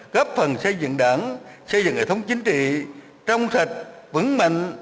góp phần xây dựng đảng xây dựng hệ thống chính trị trong sạch vững mạnh